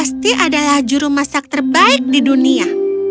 saya adalah jurumasak terbaik di dunia